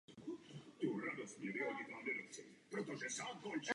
Naopak vlastní cesta je pro něj smyslem bytí.